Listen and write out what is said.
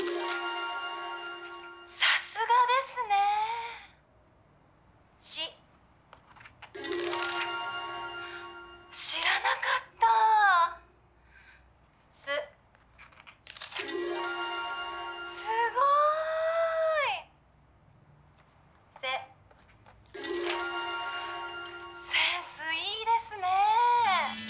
「『さすがですね！』『し』『知らなかった！』『す』『すごい！』『せ』『センスいいですね』